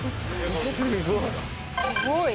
すごい。